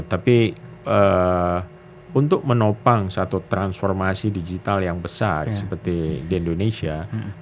tapi untuk menopang satu transformasi digital yang besar seperti di indonesia